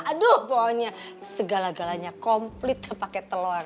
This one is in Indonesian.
aduh pokoknya segala galanya komplit terpakai telor